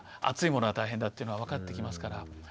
熱いものは大変だっていうのが分かってきますから。